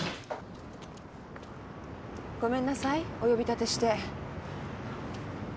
ごめんなさいお呼び立てして。